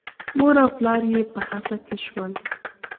مور او پلار یې په هڅه کې شول.